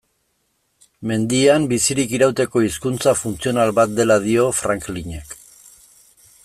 Mendian bizirik irauteko hizkuntza funtzional bat dela dio Franklinek.